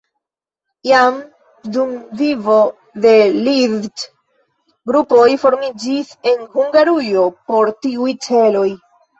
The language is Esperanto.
Jam dum vivo de Liszt grupoj formiĝis en Hungarujo por tiuj celoj.